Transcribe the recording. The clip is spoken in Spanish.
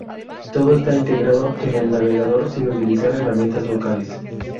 Todo está integrado en el navegador sin utilizar herramientas locales.